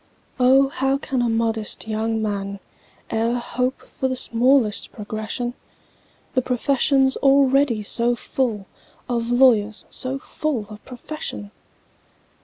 "O, how can a modest young man E'er hope for the smallest progression,— The profession's already so full Of lawyers so full of profession!"